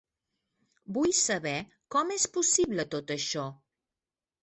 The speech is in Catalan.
Vull saber com és possible tot això.